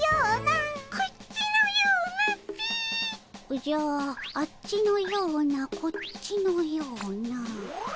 おじゃあっちのようなこっちのような。